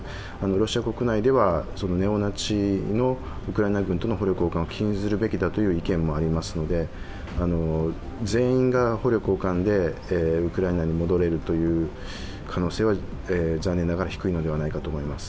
ロシア国内ではネオナチのウクライナ軍との捕虜交換を禁ずるべきだという意見もありますので、全員が捕虜交換でウクライナに戻れるという可能性は残念ながら低いのではないかと思います。